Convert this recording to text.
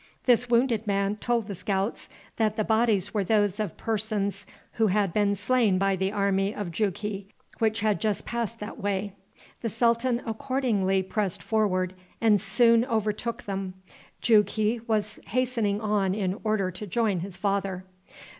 This wounded man told the scouts that the bodies were those of persons who had been slain by the army of Jughi, which had just passed that way. The sultan accordingly pressed forward and soon overtook them. Jughi was hastening on in order to join his father.